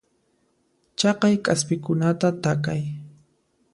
Chaqay k'aspikunata takay.